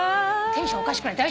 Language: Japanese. テンションおかしくない？